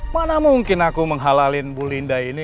mana mungkin aku menghalalin bu linda ini